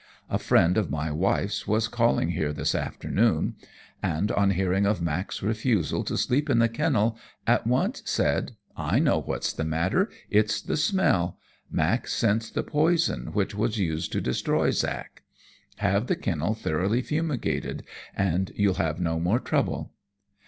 A friend of my wife's was calling here this afternoon, and, on hearing of Mack's refusal to sleep in the kennel, at once said, 'I know what's the matter. It's the smell. Mack scents the poison which was used to destroy Zack. Have the kennel thoroughly fumigated, and you'll have no more trouble.'